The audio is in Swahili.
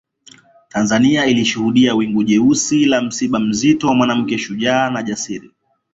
Tanzania ilishuhudia wingu jeusi la msiba mzito wa Mwanamke shujaa na jasiri